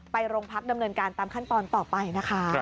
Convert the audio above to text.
โรงพักดำเนินการตามขั้นตอนต่อไปนะคะ